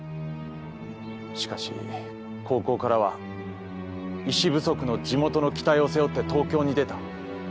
しかし高校からは医師不足の地元の期待を背負って東京に出た。